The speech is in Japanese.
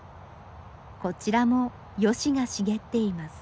こちらもヨシが茂っています。